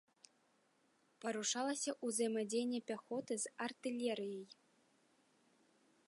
Парушылася ўзаемадзеянне пяхоты з артылерыяй.